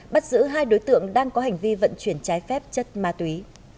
bắt giữ hai đối tượng đang có hành vi vận chuyển trái phép chất ma túy